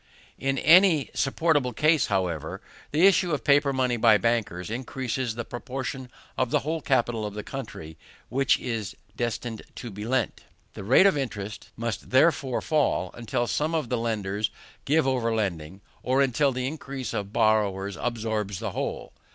In any supposable case, however, the issue of paper money by bankers increases the proportion of the whole capital of the country which is destined to be lent. The rate of interest must therefore fall, until some of the lenders give over lending, or until the increase of borrowers absorbs the whole.